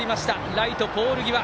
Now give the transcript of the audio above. ライトポール際。